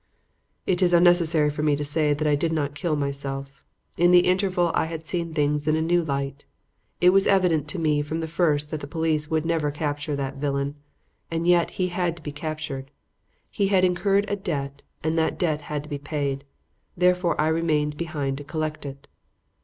"It is unnecessary for me to say that I did not kill myself. In the interval I had seen things in a new light. It was evident to me from the first that the police would never capture that villain. And yet he had to be captured. He had incurred a debt, and that debt had to be paid. Therefore I remained behind to collect it.